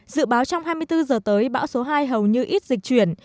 dự báo trong hai mươi bốn giờ tới bão số hai hầu như ít dịch chuyển